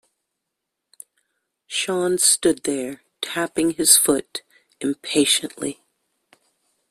Sean stood there tapping his foot impatiently.